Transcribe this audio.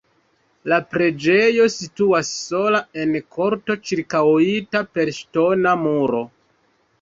La preĝejo situas sola en korto ĉirkaŭita per ŝtona muro.